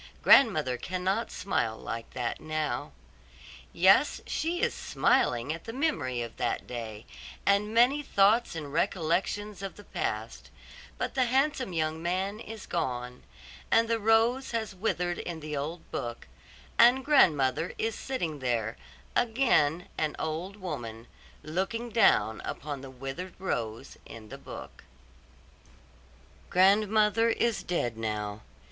Grandmother cannot smile like that now. Yes, she is smiling at the memory of that day, and many thoughts and recollections of the past; but the handsome young man is gone, and the rose has withered in the old book, and grandmother is sitting there, again an old woman, looking down upon the withered rose in the book. Grandmother is dead now.